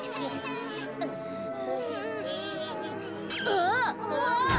あっ！